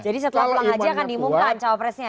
jadi setelah pulang haji akan dimungkankan cawapresnya